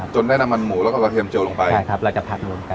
จนได้น้ำมันหมู่แล้วก็กระเทียมเจียวแล้วก็ลงไป